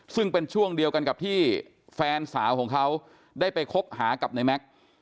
ซึ่งเป็นช่วงเดียวกันกับที่แฟนสาวของเขาได้ไปคบหากับในแม็กซ์